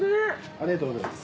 ありがとうございます。